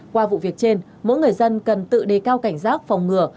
qua vụ việc trên mỗi người dân cần tự đề cao cảnh giác phòng ngừa